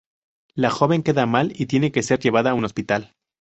La joven queda mal y tiene que ser llevada a un hospital.